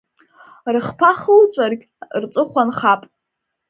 Рыхԥа хыуҵәаргь рҵыхәа нхап!